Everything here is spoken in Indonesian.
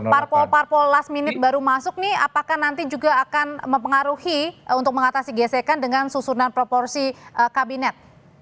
parpol parpol last minute baru masuk nih apakah nanti juga akan mempengaruhi untuk mengatasi gesekan dengan susunan proporsi kabinet